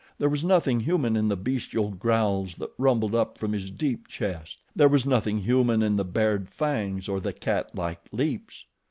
There was nothing human in the bestial growls that rumbled up from his deep chest; there was nothing human in the bared fangs, or the catlike leaps.